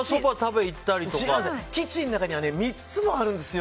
基地の中には３つもあるんですよ。